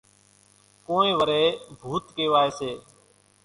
ڪونئين وريَ ڀوُت ڪيوائيَ سي۔